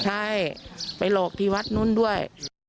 ใช่ไปหลอกที่วัดนู้นด้วย